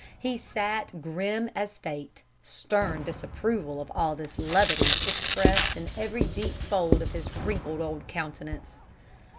He sat grim as fate, stern disapproval of all this levity expressed in every deep fold of his wrinkled old countenance.